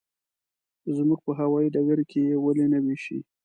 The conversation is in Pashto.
زموږ په هوايي ډګر کې یې ولې نه وېشي.